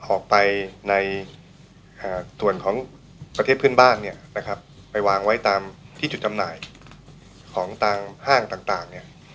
ออกไปในส่วนของประเทศพื้นบ้านไปวางไว้ตามที่จุดจำหน่ายของทางห้างต่าง